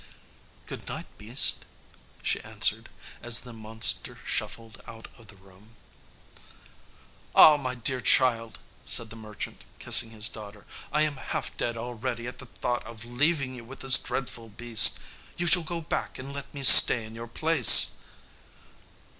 "Good night, beast," she answered, as the monster shuffled out of the room. "Ah! my dear child," said the merchant, kissing his daughter, "I am half dead already, at the thought of leaving you with this dreadful beast; you shall go back and let me stay in your place."